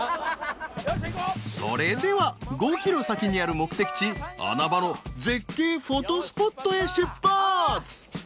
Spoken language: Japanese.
それでは５ｋｍ先にある目的地穴場の絶景フォトスポットへ出発！